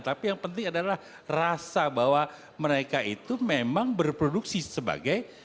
tapi yang penting adalah rasa bahwa mereka itu memang berproduksi sebagai